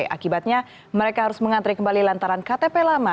akibatnya mereka harus mengantri kembali lantaran ktp lama